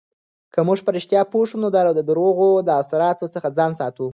که موږ په رښتیا پوه شو، نو د درواغو له اثراتو څخه ځان ساتو.